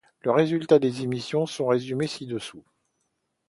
Les résultats des émissions sont résumés ci-dessous.